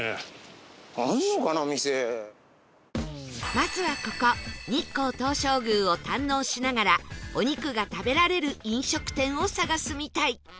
まずはここ日光東照宮を堪能しながらお肉が食べられる飲食店を探すみたい